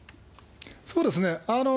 そうですね。